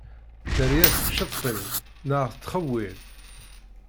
Dderya tettcettil, neɣ tettxewwil.